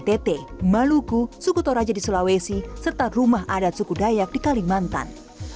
ntt maluku suku toraja di sulawesi serta rumah adat suku dayak di kalimantan